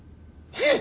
えっ？